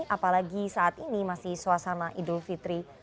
apalagi saat ini masih suasana idul fitri